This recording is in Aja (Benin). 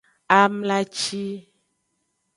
Amlaci.